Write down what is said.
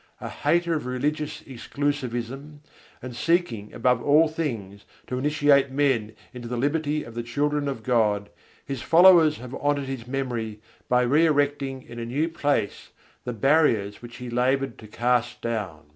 A hater of religious exclusivism, and seeking above all things to initiate men into the liberty of the children of God, his followers have honoured his memory by re erecting in a new place the barriers which he laboured to cast down.